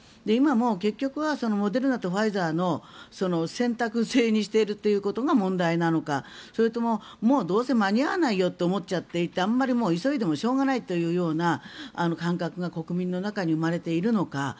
今、結局はモデルナとファイザーの選択制にしていることが問題なのかそれともどうせ間に合わないと思っちゃってあんまり急いでもしょうがないというような感覚が国民の中に生まれているのか。